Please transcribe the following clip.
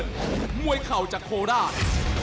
ด้วยเข่าจากโคลด้าน